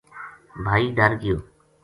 بھائی ڈر گیو